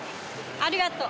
ありがとう。